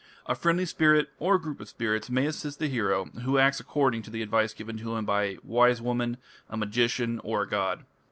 A friendly spirit, or a group of spirits, may assist the hero, who acts according to the advice given him by a "wise woman", a magician, or a god.